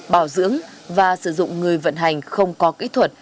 bảo dưỡng và sử dụng người vận hành không có kỹ thuật